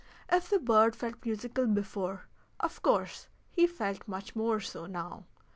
If the bird felt musical before, of course he felt much more so now.